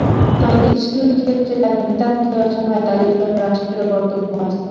তবে কিছু কিছু ক্ষেত্রে যারা নিতান্তই অসহায় তাদের জন্য রাষ্ট্রেরও কর্তব্য আছে।